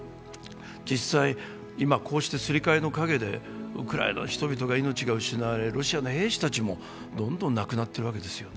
実際、今こうしてすり替えの陰でウクライナの人たちの命が失われロシアの兵士たちもどんどん亡くなっているわけですよね。